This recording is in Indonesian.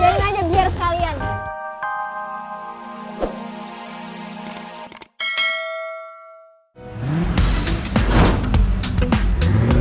biarin aja biar sekalian